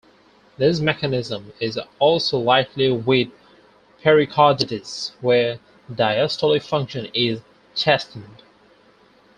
This mechanism is also likely with pericarditis, where diastolic function is chastened.